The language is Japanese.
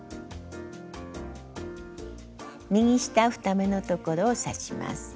右下２目のところを刺します。